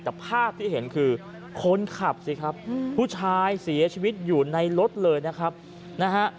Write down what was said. แต่ภาพที่เห็นคือคนขับสิครับผู้ชายเสียชีวิตอยู่ในรถเลยนะครับนะฮะ